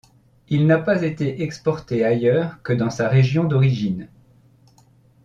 Il n'a pas été exporté ailleurs que dans sa région d'origine.